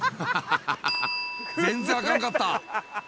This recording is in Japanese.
全然あかんかった。